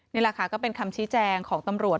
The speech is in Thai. นี่แหละค่ะก็เป็นคำชี้แจงของตำรวจ